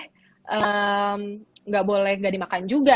tidak boleh nggak dimakan juga